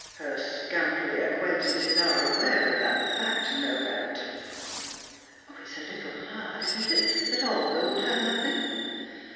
Her scoundrelly acquaintances are aware of that fact no doubt." "It's a little hard, isn't it, that Olga would have nothing?"